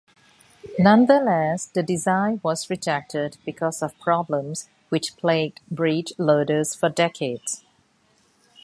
Nonetheless, the design was rejected because of problems which plagued breech-loaders for decades.